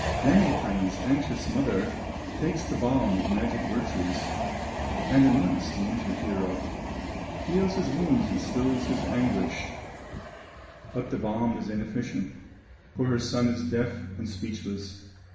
Lemminkainen's anxious mother Takes the balm of magic virtues, And anoints the injured hero, Heals his wounds and stills his anguish; But the balm is inefficient, For her son is deaf and speechless.